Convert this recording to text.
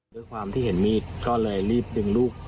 ด้วยความที่เห็นมีดก็เลยรีบดึงลูก